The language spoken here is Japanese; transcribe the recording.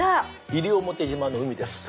西表島の海です。